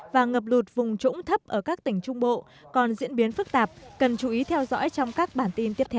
và ngập lụt vùng trũng thấp ở các tỉnh trung bộ còn diễn biến phức tạp cần chú ý theo dõi trong các bản tin tiếp theo